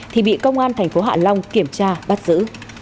thì bị công an tp hạ long kiểm tra bắt giữ